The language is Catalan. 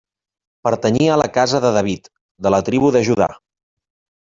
Pertanyia a la Casa de David, de la tribu de Judà.